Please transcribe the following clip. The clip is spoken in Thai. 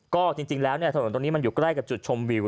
ก็จริงแล้วถนนตรงนี้มันอยู่ใกล้กับจุดชมวิว